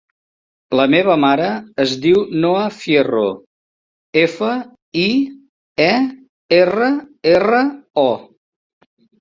La meva mare es diu Noha Fierro: efa, i, e, erra, erra, o.